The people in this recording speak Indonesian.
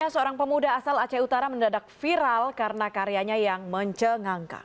seorang pemuda asal aceh utara mendadak viral karena karyanya yang mencengangkan